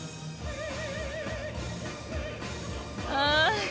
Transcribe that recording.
ああ。